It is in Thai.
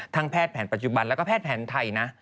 แพทย์แผนปัจจุบันแล้วก็แพทย์แผนไทยนะ